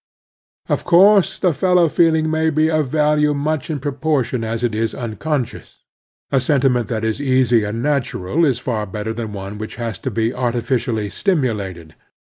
Of course the fellow feeling may be of value much ifTpropbrtion as it is unco nscious . A sentiment that is easy and natural is far better than one which has to be artificially stimulated